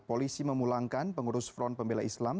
polisi memulangkan pengurus front pembela islam